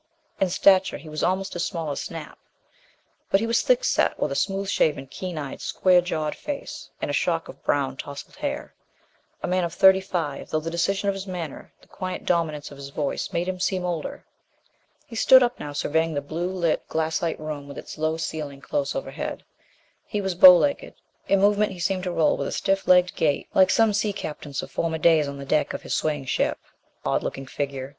In stature he was almost as small as Snap. But he was thick set, with a smooth shaven, keen eyed, square jawed face; and a shock of brown tousled hair. A man of thirty five, though the decision of his manner, the quiet dominance of his voice made him seem older. He stood up now, surveying the blue lit glassite room with its low ceiling close overhead. He was bow legged; in movement he seemed to roll with a stiff legged gait like some sea captains of former days on the deck of his swaying ship. Odd looking figure!